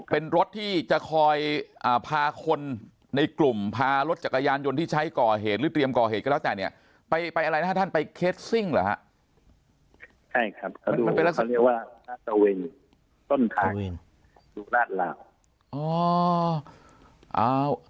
เป็นรถที่จะคอยพาคนในกลุ่มพารถจักรยานยนต์ที่ใช้ก่อเหตุหรือเตรียมก่อเหตุก็แล้วแต่เนี่ยไปอะไรนะฮะท่านไปเคสซิ่งเหรอฮะใช่ครับ